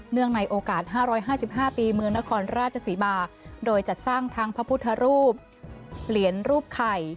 ในโอกาส๕๕ปีเมืองนครราชศรีมาโดยจัดสร้างทั้งพระพุทธรูปเหรียญรูปไข่